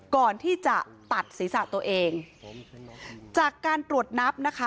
ก่อนที่จะตัดศีรษะตัวเองจากการตรวจนับนะคะ